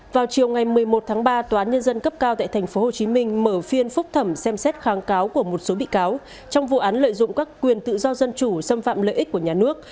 vào chiều ngày một mươi một tháng ba tòa án nhân dân cấp cao tại tp hcm mở phiên phúc thẩm xem xét kháng cáo của một số bị cáo trong vụ án lợi dụng các quyền tự do dân chủ xâm phạm lợi ích của nhà nước